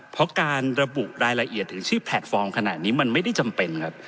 เพราะการระบุรายละเอียดถึงชื่อแพลตฟอร์มขนาดนี้มันไม่ได้จำเป็นครับ